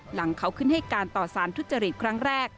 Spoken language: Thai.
หลังเขาขึ้นให้การต่อสารทุจริตครั้งแรก